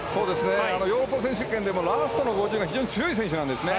ヨーロッパ選手権でもラストの５０が非常に強い選手なんですね。